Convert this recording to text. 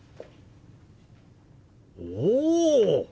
おお！